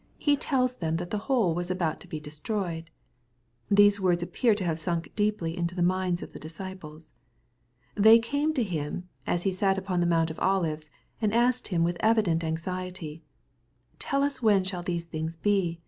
He tells them that the whole was about to be destroyed. These words appear to have sunk deeply into the minds of the disciples. They came to Him, as He sat upon the Mount of Olives, and asked Him with evident anxiety, " Tell us when shall these things be ?